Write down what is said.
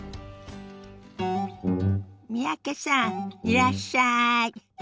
三宅さんいらっしゃい。